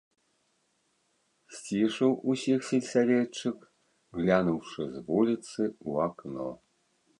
Сцішыў усіх сельсаветчык, глянуўшы з вуліцы ў акно.